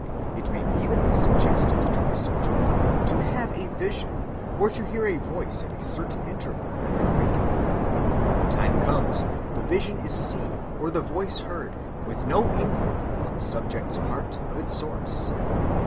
It may even be suggested to a subject to have a vision or to hear a voice at a certain interval after waking, and when the time comes the vision is seen or the voice heard, with no inkling on the subject's part of its source.